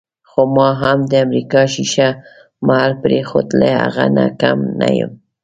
خو ما هم د امریکا ښیښه محل پرېښود، له هغه نه کم نه یم.